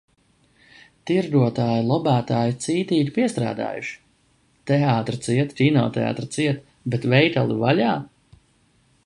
Tirgotāju lobētāji cītīgi piestrādājuši? Teātri ciet, kinoteātri ciet, bet veikali vaļā?